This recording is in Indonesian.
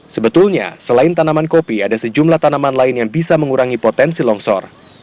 sebetulnya selain tanaman kopi ada sejumlah tanaman lain yang bisa mengurangi potensi longsor